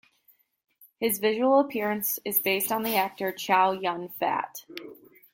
His visual appearance is based on the actor Chow Yun-fat.